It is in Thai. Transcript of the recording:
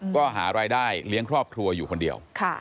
ก็หารายได้เลี้ยงครอบครัวอยู่คนเดียว